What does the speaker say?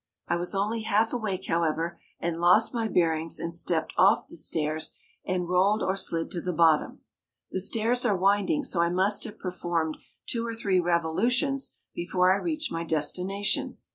I was only half awake, however, and lost my bearings and stepped off the stairs and rolled or slid to the bottom. The stairs are winding, so I must have performed two or three revolutions before I reached my destination.